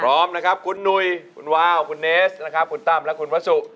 พร้อมนะครับคุณหนุ่ยคุณวาวคุณเนสนะครับคุณตั้มและคุณวัสสุ